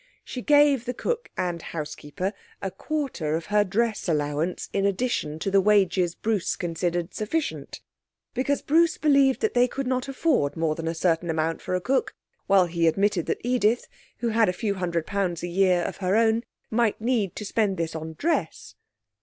She gave the cook and housekeeper a quarter of her dress allowance, in addition to the wages Bruce considered sufficient; because Bruce believed that they could not afford more than a certain amount for a cook, while he admitted that Edith, who had a few hundred pounds a year of her own, might need to spend this on dress.